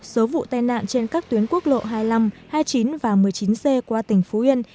số vụ tai nạn trên các tuyến quốc lộ hai mươi năm hai mươi chín và một mươi chín c qua tỉnh phú yên